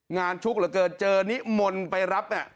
งานชุกเหลือเกินเจอนิมนต์ไปรับ